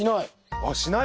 あっしない？